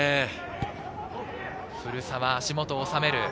古澤、足元に収める。